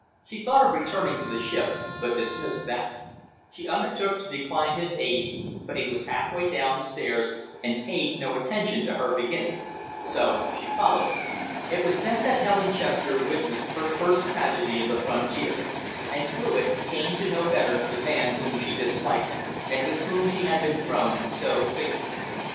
She thought of returning to the ship, but dismissed that. She undertook to decline his aid, but he was half way down the stairs and paid no attention to her beginning so she followed him. It was then that Helen Chester witnessed her first tragedy of the frontier, and through it came to know better the man whom she disliked and with whom she had been thrown so fatefully.